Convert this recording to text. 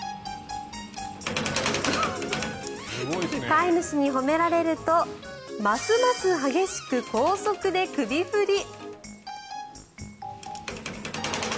飼い主に褒められるとますます激しく高速で首振り。